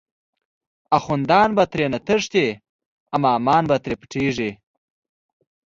آخوندان به ترینه تښتی، امامان به تری پټیږی